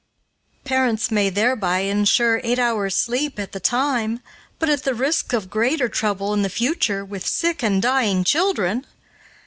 Parents may thereby insure eight hours' sleep at the time, but at the risk of greater trouble in the future with sick and dying children.